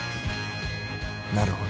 なるほど。